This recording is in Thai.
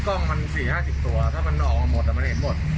กล้องมัน๔๕๐ตัวถ้ามันออกมาหมดมันเห็นหมด